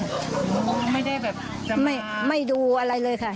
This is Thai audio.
เขาก็ไม่ได้แบบจำลาไม่ดูอะไรเลยค่ะ